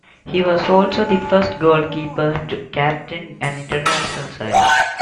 He was also the first goalkeeper to captain an international side.